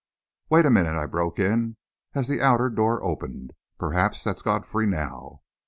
"Wait a minute," I broke in, as the outer door opened. "Perhaps that's Godfrey, now."